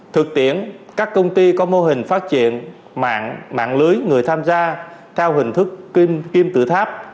thực tiễn các công ty có mô hình phát triển mạng lưới người tham gia theo hình thức kim tử tháp